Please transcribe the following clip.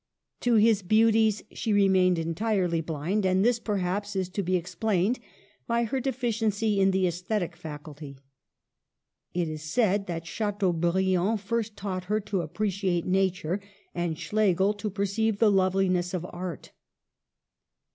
To his beauties she remained entirely blind, and this, perhaps, is to be explained by her deficiency in the aesthetic faculty. It is said that Chateau briand first taught her to appreciate nature, and Schlegel to perceive the loveliness of art.